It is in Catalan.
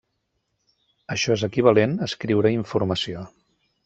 Això és equivalent escriure-hi informació.